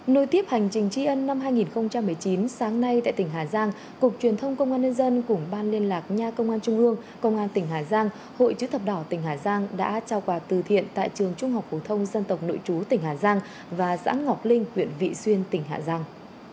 nơi tiếp hành trình tri ân năm hai nghìn một mươi chín sáng nay tại tỉnh hà giang cục truyền thông công an nhân dân cùng ban liên lạc nha công an trung ương công an tỉnh hà giang hội chữ thập đỏ tỉnh hà giang đã trao quà từ thiện tại trường trung học phổ thông dân tộc nội chú tỉnh hà giang và xã ngọc linh huyện vị xuyên tỉnh hà giang